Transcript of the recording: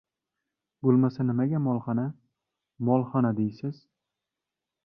— Bo‘lmasa nimaga molxona, molxona deysiz?